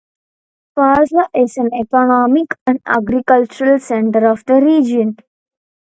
Farsala is an economic and agricultural centre of the region.